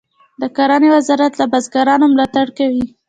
د کرنې وزارت له بزګرانو ملاتړ کوي.